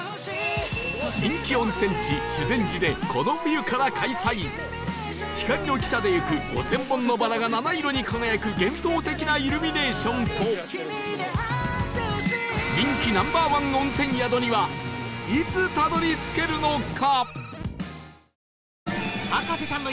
人気温泉地修善寺でこの冬から開催光の汽車で行く５０００本のバラが七色に輝く幻想的なイルミネーションと人気 Ｎｏ．１ 温泉宿にはいつたどり着けるのか？